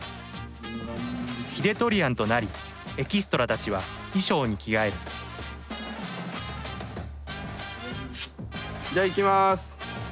ヒデトリアンとなりエキストラたちは衣装に着替えるじゃあいきます。